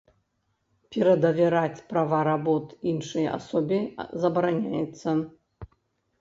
Перадавяраць права работ іншай асобе забараняецца.